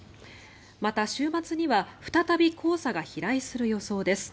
また、週末には再び黄砂が飛来する予想です。